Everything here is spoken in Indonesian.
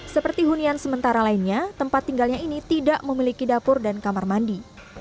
seperti hunian sementara lainnya tempat tinggalnya ini tidak memiliki dapur dan kamar mandi